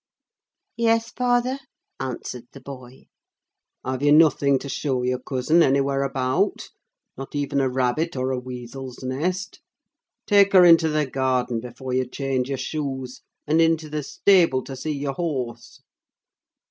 "Yes, father," answered the boy. "Have you nothing to show your cousin anywhere about, not even a rabbit or a weasel's nest? Take her into the garden, before you change your shoes; and into the stable to see your horse."